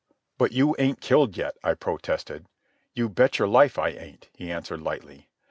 "But you ain't killed yet," I protested. "You bet your life I ain't," he answered lightly.